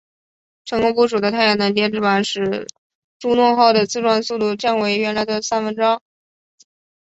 成功布署的太阳能电池板使朱诺号的自转速度降为原来的三分之二。